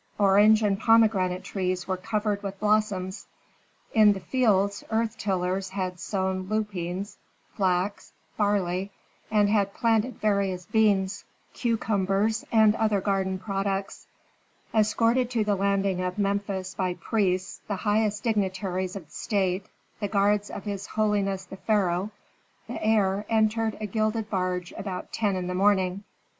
Orange and pomegranate trees were covered with blossoms; in the fields earth tillers had sown lupines, flax, barley, and had planted various beans, cucumbers, and other garden products. Escorted to the landing of Memphis by priests, the highest dignitaries of the state, the guards of his holiness the pharaoh, the heir entered a gilded barge about ten in the morning.